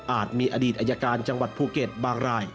มีอดีตอายการจังหวัดภูเก็ตบางราย